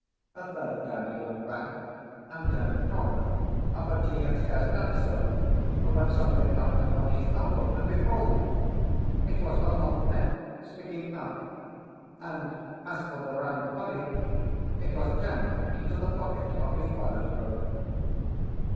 A third time he looked back, and turned a corner; but he had scarce done so, when something knocked upon his elbow, and behold! it was the long neck sticking up; and as for the round belly, it was jammed into the pocket of his pilot coat.